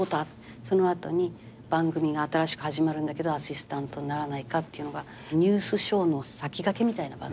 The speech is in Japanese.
その後に番組が新しく始まるんだけどアシスタントにならないかっていうのがニュースショーの先駆けみたいな。